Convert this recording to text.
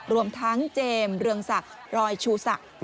รวมทั้งเจมส์เรืองศักดิ์รอยชูศักดิ์